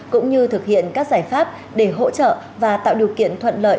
cũng như thực hiện các giải pháp để hỗ trợ và tạo điều kiện thuận lợi